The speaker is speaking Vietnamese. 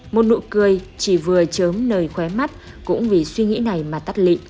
một nụ cười chỉ vừa chớm nơi khóe mắt cũng vì suy nghĩ này mà tắt lị